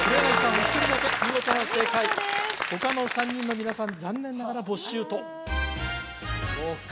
お一人だけ見事な正解他の３人の皆さん残念ながらボッシュートそうか